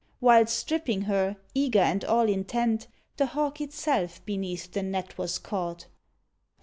Whilst stripping her, eager and all intent, The Hawk itself beneath the net was caught.